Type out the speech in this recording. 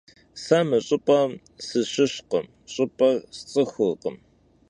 Se mı ş'ıp'em sışışkhım, ş'ıp'er sts'ıxurkhım.